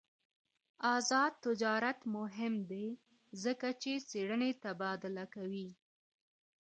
آزاد تجارت مهم دی ځکه چې څېړنې تبادله کوي.